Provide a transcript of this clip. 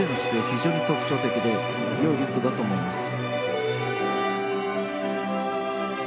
非常に特徴的で良いリフトだと思います。